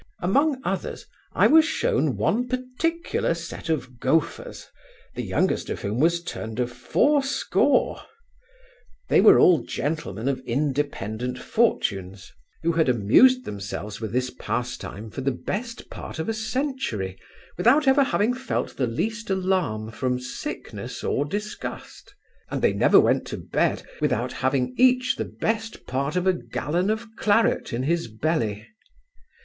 Among others, I was shewn one particular set of golfers, the youngest of whom was turned of fourscore They were all gentlemen of independent fortunes, who had amused themselves with this pastime for the best part of a century, without having ever felt the least alarm from sickness or disgust; and they never went to bed, without having each the best part of a gallon of claret in his belly.